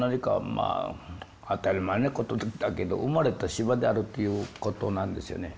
まあ当たり前なことだけど生まれた島であるということなんですよね。